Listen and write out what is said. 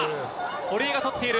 堀江が取っている。